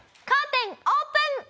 カーテンオープン！